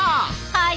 はい。